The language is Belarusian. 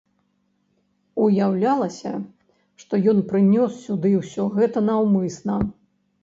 Уяўлялася, што ён прынёс сюды ўсё гэта наўмысна.